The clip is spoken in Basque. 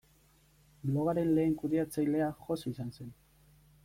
Blogaren lehen kudeatzailea Jose izan zen.